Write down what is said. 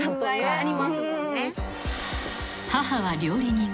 ［母は料理人。